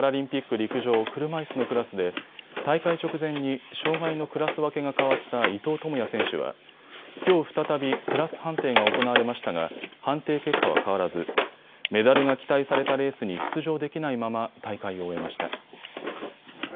陸上、車いすのクラスで大会直前に障害のクラス分けが変わった伊藤智也選手はきょう再びクラス判定が行われましたが判定結果は変わらずメダルが期待されたレースに出場できないまま大会を終えました。